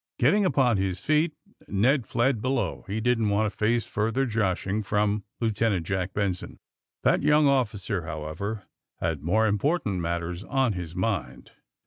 Getting upon his feet Ned fled below. He didn't want to face further joshing" from Lieutenant Jack Benson. That young officer, however, had more import ant matters on his mind.